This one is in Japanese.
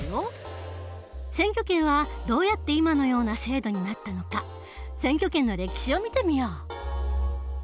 選挙権はどうやって今のような制度になったのか選挙権の歴史を見てみよう。